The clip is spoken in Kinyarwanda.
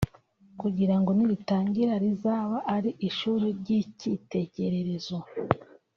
kugirango niritangira rizaba ari ishuri ry’ikitegererezo